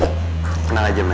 tenang aja men